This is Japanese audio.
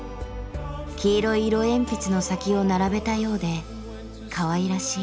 黄色い色鉛筆の先を並べたようでかわいらしい。